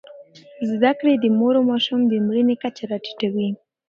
زدهکړې د مور او ماشوم د مړینې کچه راټیټوي.